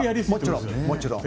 もちろん。